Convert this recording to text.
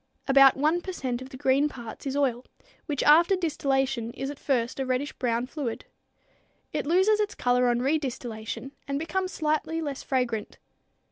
About one per cent of the green parts is oil, which after distillation is at first a reddish brown fluid. It loses its color on redistillation and becomes slightly less fragrant.